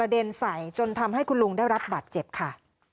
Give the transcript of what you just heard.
ได้รับบัตรเจ็บค่ะ